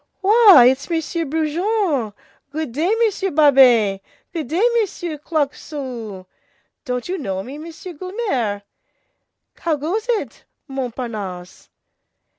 "Why, it's Monsieur Brujon. Good day, Monsieur Babet. Good day, Monsieur Claquesous. Don't you know me, Monsieur Guelemer? How goes it, Montparnasse?"